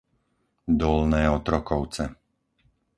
Dolné Otrokovce